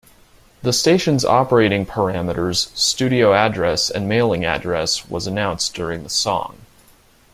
The station's operating parameters, studio address and mailing address was announced during the song.